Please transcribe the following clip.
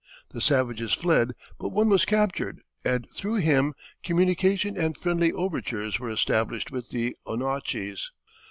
The savages fled, but one was captured, and through him communication and friendly overtures were established with the Annochys.